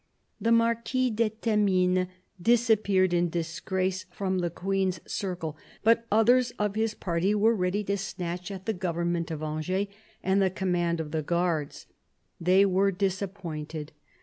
The Marquis de Themines disappeared in disgrace from the Queen's circle, but others of his party were ready to snatch at the government of Angers and the command of the guards. They were disappointed.